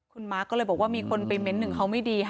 คุณมาร์คก็เลยบอกว่ามีคนไปเม้นต์หนึ่งเขาไม่ดีค่ะ